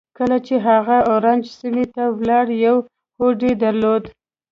کله چې هغه اورنج سيمې ته ولاړ يو هوډ يې درلود.